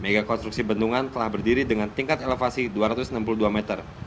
mega konstruksi bendungan telah berdiri dengan tingkat elevasi dua ratus enam puluh dua meter